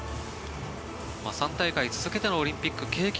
３大会続けてのオリンピック出場の経験